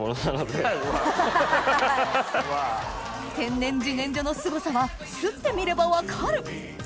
天然自然薯のすごさはすってみれば分かる！